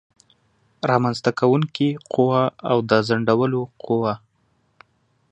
رامنځته کوونکې قوه او د ځنډولو قوه